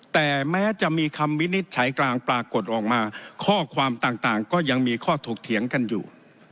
แต่แม้จะมีคำวินิจฉัยกลางปรากฏออกมาข้อความต่างก็ยังมีข้อถกเถียงกันอยู่